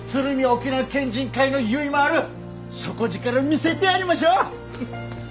沖縄県人会のゆいまーる底力見せてやりましょう！